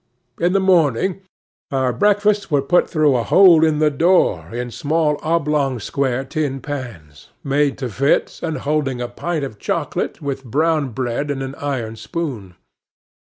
In the morning, our breakfasts were put through the hole in the door, in small oblong square tin pans, made to fit, and holding a pint of chocolate, with brown bread, and an iron spoon.